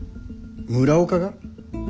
村岡が？